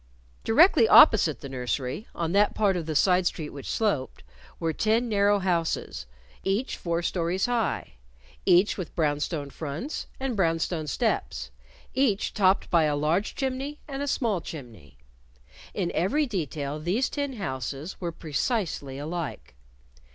Directly opposite the nursery, on that part of the side street which sloped, were ten narrow houses, each four stories high, each with brown stone fronts and brown stone steps, each topped by a large chimney and a small chimney. In every detail these ten houses were precisely alike.